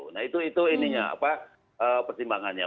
nah itu pertimbangannya